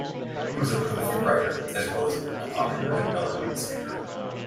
He was a prolific writer, as well as a popular and eloquent speaker.